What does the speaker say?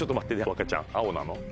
わかちゃん青なの？